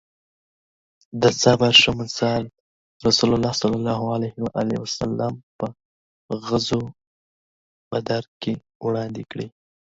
د صبر ښه مثال رسول الله ص په غزوه بدر کې وړاندې کړی